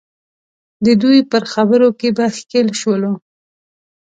د دوی پر خبرو کې به ښکېل شولو.